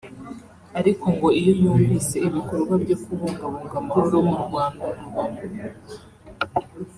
ariko ngo iyo yumvise ibikorwa byo kubungabunga amahoro u Rwanda rubamo